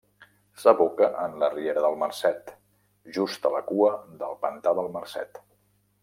S'aboca en la riera del Marcet just a la cua del Pantà del Marcet.